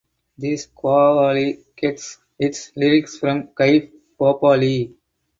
This qawwali gets its lyrics from Kaif Bhopali.